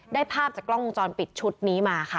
ได้ภาพจากกล้องกำลังจอนปิดชุดนี้มาค่ะ